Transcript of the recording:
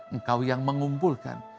engkau yang mengumpulkan